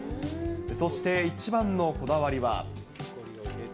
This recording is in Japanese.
そして、一番のこだわりは。